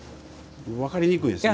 分かりにくいですね。